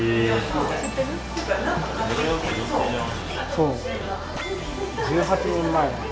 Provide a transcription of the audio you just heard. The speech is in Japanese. そう１８年前の。